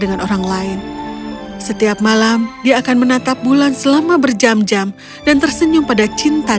dengan orang lain setiap malam dia akan menatap bulan selama berjam jam dan tersenyum pada cinta